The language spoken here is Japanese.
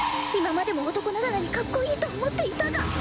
今までも男ながらにかっこいいと思っていたが